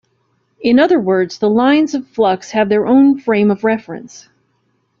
In other words, the lines of flux have their own frame of reference.